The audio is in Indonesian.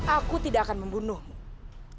aku tidak akan membunuhmu